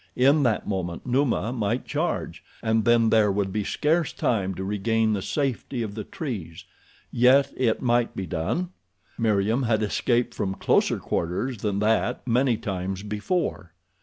In that moment Numa might charge, and then there would be scarce time to regain the safety of the trees, yet it might be done. Meriem had escaped from closer quarters than that many times before.